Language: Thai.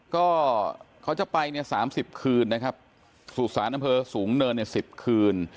ก็เขาจะไปเนี่ย๓๐คืนนะครับสุสานน้ำเพลิงสูงเนิน๑๐คืน